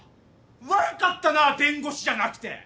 悪かったな弁護士じゃなくて！